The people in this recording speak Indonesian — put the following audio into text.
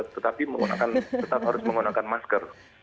tetapi tetap harus menggunakan masker